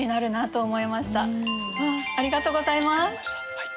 ありがとうございます。